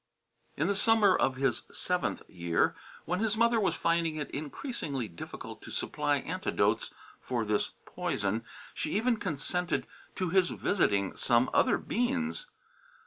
In the summer of his seventh year, when his mother was finding it increasingly difficult to supply antidotes for this poison, she even consented to his visiting some other Beans.